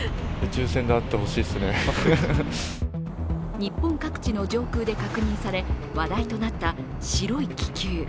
日本各地の上空で確認され、話題となった白い気球。